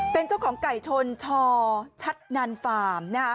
เป็นเจ้าของไก่ชนชชัดนันฟาร์มนะฮะ